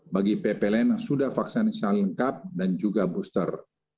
bagi ppln sudah vaksin selengkap dan juga booster